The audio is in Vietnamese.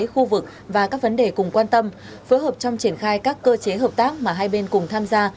khu vực và các vấn đề cùng quan tâm phối hợp trong triển khai các cơ chế hợp tác mà hai bên cùng tham gia